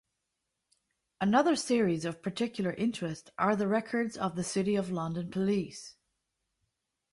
Another series of particular interest are the records of the City of London Police.